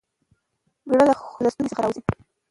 ګړه له ستوني څخه راوزي؟